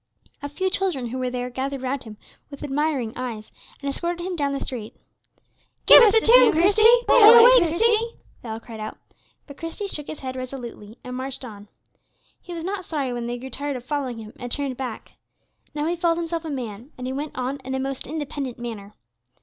A few children who were there gathered round him with admiring eyes, and escorted him down the street. "Give us a tune, Christie; play away, Christie," they all cried out. But Christie shook his head resolutely, and marched on. He was not sorry when they grew tired of following him and turned back. Now he felt himself a man; and he went on in a most independent manner.